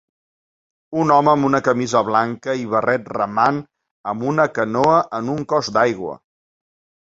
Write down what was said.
Un home amb una camisa blanca i barret remant amb una canoa en un cos d'aigua.